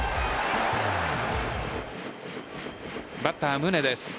バッター・宗です。